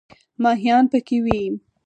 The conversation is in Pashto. ماهیان پکې وي.